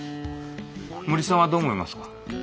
森さんはどう思いますか？